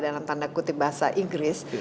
dalam tanda kutip bahasa inggris